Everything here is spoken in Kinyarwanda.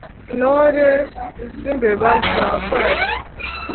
Intore z'imbeba zakoranye